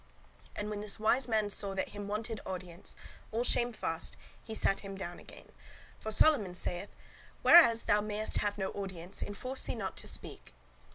And when this wise man saw that him wanted audience, all shamefast he sat him down again. For Solomon saith, 'Where as thou mayest have no audience, enforce thee not to speak.